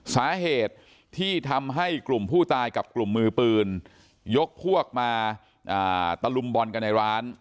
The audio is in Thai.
สาเหตุที่ทำให้กลุ่มผู้ตายกับกลุ่มมือปืนยกพวกมาตะลุมบอลกันในร้าน